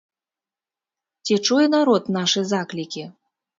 Ці чуе народ нашы заклікі?